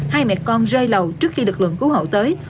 hai mẹ con rơi lầu trước khi lực lượng cứu hộ tới